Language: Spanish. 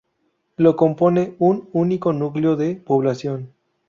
Lo compone un único núcleo de población.